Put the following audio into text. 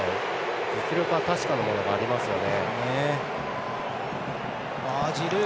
実力は確かなものがありますよね。